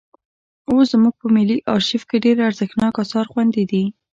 اوس زموږ په ملي ارشیف کې ډېر ارزښتناک اثار خوندي دي.